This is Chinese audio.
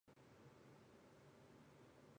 松日厄人口变化图示